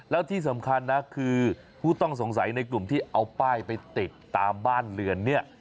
แล้วที่สำคัญนะคือผู้ต้องสงสัยในกลุ่มที่เอาป้ายไปติดตามบ้านเรือนเนี่ย